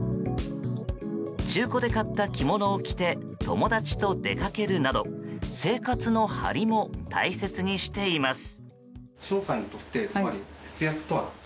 中古で買った着物を着て友達と出かけるなど生活のハリも大切にしています。